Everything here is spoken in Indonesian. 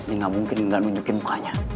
ini gak mungkin yang gak nunjukin mukanya